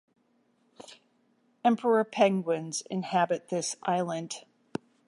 Emperor penguins inhabit this island.